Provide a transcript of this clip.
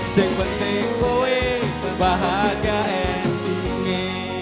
si bete kowe berbahaga e tingi